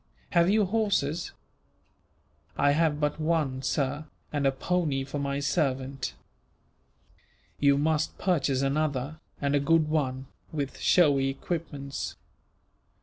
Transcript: "Have you horses?" "I have but one, sir, and a pony for my servant." "You must purchase another, and a good one, with showy equipments.